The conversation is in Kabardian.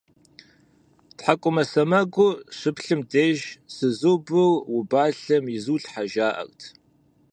ТхьэкӀумэ сэмэгур щыплъым деж «Сызыубыр убалъэм изулъхьэ», жаӀэрт.